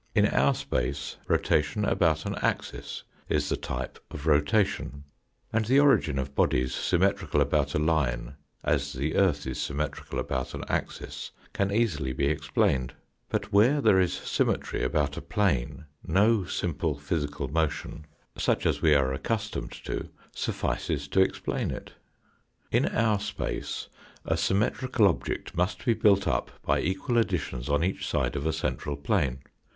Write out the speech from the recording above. In our space, rotation about an axis is the type of rotation, and the origin of bodies sym metrical about a line as the earth is symmetrical about an axis can easily be explained. But where there is symmetry a.bout a plane no simple physical motion, such as we EVIDENCES FOR A FotJRtS DIMENSION are accustomed to, suffices to explain it. In our space a symmetrical object must be built up by equal additions on each side of a central plane.